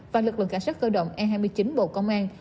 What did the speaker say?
và lực lượng cảnh sát cơ động e hai mươi chín bộ công an